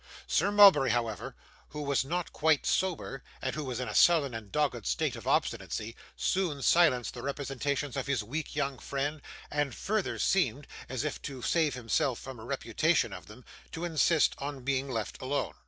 Sir Mulberry, however, who was not quite sober, and who was in a sullen and dogged state of obstinacy, soon silenced the representations of his weak young friend, and further seemed as if to save himself from a repetition of them to insist on being left alone.